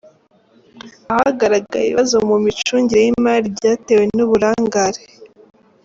Ahagaragaye ibibazo mu micungire y’imari byatewe n’uburangare